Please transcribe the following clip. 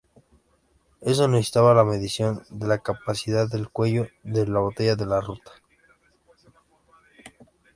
Esto necesitaba la medición de la capacidad del cuello de botella de la ruta.